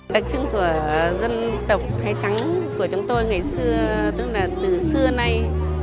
đặc trưng của dân tộc thái trắng của chúng tôi ngày xưa tức là từ xưa nay